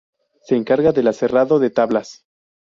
Se encarga del aserrado de tablas.